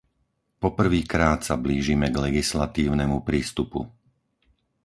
Po prvýkrát sa blížime k legislatívnemu prístupu.